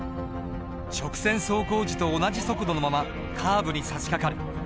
直線走行時と同じ速度のままカーブにさしかかる。